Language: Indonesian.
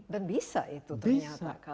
dan bisa itu ternyata